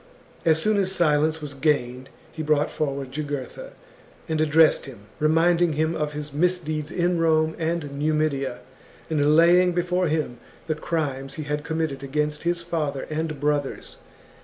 As soon as silence was gained he brought forward Jugurtha and addressed him, reminding him of his misdeeds in Rome and Numidia, and laying before him the crimes he had committed against his father and brothers.